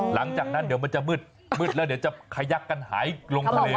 หลังจากนั้นเดี๋ยวมันจะมืดมืดแล้วเดี๋ยวจะขยักกันหายลงทะเล